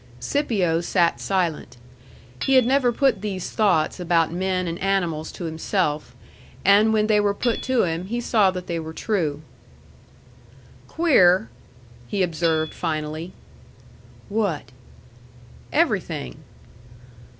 Scipio sat silent. He had never put these thoughts about men and animals to himself, and when they were put to him, he saw that they were true. "Queer," he observed finally. "What?" "Everything."